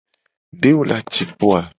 De wo la ci kpo a?